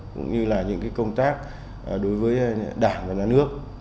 cũng như là những công tác đối với đảng và nhà nước